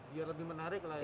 biar lebih menarik lah